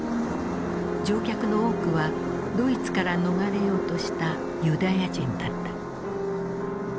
乗客の多くはドイツから逃れようとしたユダヤ人だった。